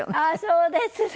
そうですね！